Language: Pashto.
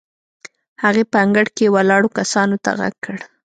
هغې په انګړ کې ولاړو کسانو ته غږ کړ.